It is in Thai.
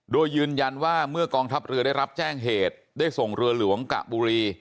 โดยยืนยันว่าเมื่อกองทัพเรือได้รับแจ้งเหตุได้ส่งเรือหลวงกะบุรี